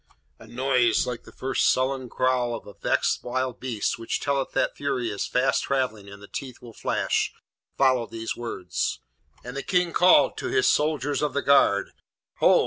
A noise like the first sullen growl of a vexed wild beast which telleth that fury is fast travelling and the teeth will flash, followed these words; and the King called to his soldiers of the guard, 'Ho!